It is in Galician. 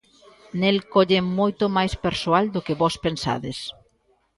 Nel colle moito máis persoal do que vós pensades.